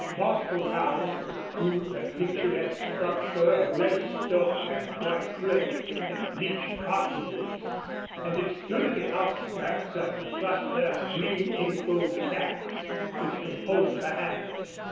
Bostil's house was a crude but picturesque structure of red stone and white clay and bleached cottonwoods, and it stood at the outskirts of the cluster of green inclosed cabins which composed the hamlet.